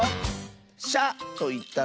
「しゃ」といったら？